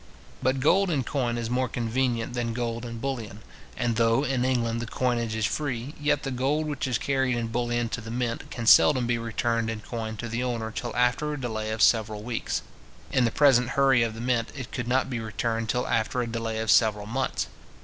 But gold in coin is more convenient than gold in bullion; and though, in England, the coinage is free, yet the gold which is carried in bullion to the mint, can seldom be returned in coin to the owner till after a delay of several weeks. In the present hurry of the mint, it could not be returned till after a delay of several months.